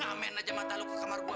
nah main aja mata lu ke kamar gua